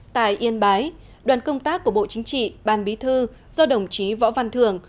tại yên bái đoàn công tác của bộ chính trị ban bí thư do đồng chí võ văn thường